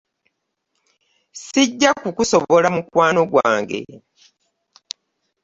Ssijja kukusobola mukwano gwange.